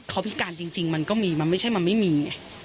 เขาพิการจริงมันก็มีมันไม่ใช่มันไม่มี